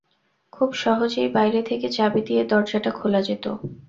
খুব সহজেই বাইরে থেকে চাবি দিয়ে দরজাটা খোলা যেত।